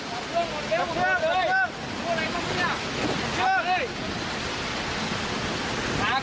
ไปจากไหนมาจากไหน